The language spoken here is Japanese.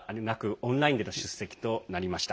オンラインでの出席となりました。